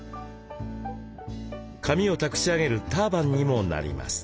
髪をたくし上げるターバンにもなります。